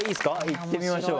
いってみましょう。